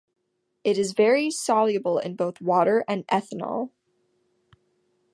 It is very soluble in both water and ethanol.